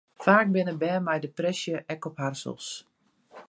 Faak binne bern mei depresje ek op harsels.